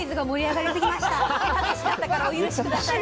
楽しかったからお許し下さい。